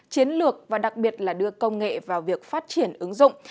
chiến lược và đặc biệt là đưa công nghệ vào việc phát triển ứng dụng